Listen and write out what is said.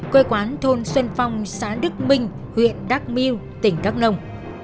quê quán thôn xuân phong xã đức minh huyện đắc miêu tỉnh đắk nông